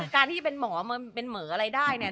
การที่เป็นหมอเป็นหมออะไรได้เนี่ย